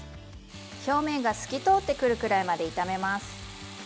表面が透き通ってくるくらいまで炒めます。